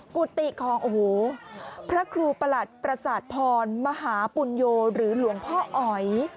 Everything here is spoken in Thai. กุฏิของโอ้โหพระครูประหลัดประสาทพรมหาปุญโยหรือหลวงพ่ออ๋อย